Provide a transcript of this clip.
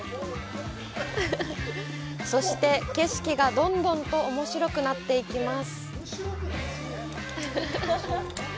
そして景色がどんどんとおもしろくなっていきます！